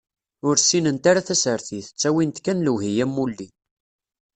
Ur ssinent ara tasertit, ttawin-t kan lewhi am wulli.